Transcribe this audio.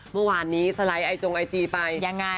เมื่อวานนี้สไลด์ไอจงไอจีไปยังไง